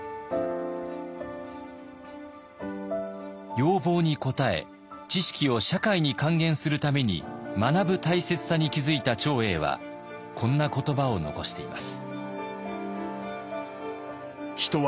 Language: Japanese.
要望に応え知識を社会に還元するために学ぶ大切さに気付いた長英はこんな言葉を残しています。